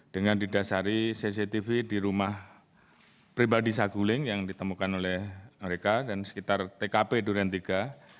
dengan didasari cctv di rumah pribadi saguling yang ditemukan oleh mereka dan sekitar tkp duren tiga